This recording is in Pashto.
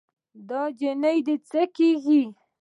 دا نجلۍ دې څه کيږي؟